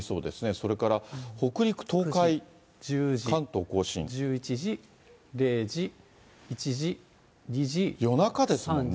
それから北陸、東海、１１時、０時、１時、夜中ですもんね。